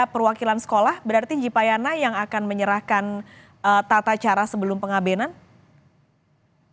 perwakilan sekolah berarti jipayana yang akan menyerahkan tata cara sebelum pengabenan